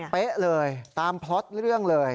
เป๊ะเลยตามพล็อตเรื่องเลย